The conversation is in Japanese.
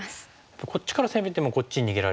こっちから攻めてもこっちに逃げられる。